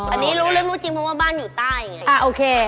อันนี้รู้เรื้อรู้จริงเพราะว่าบ้านอยู่ใต้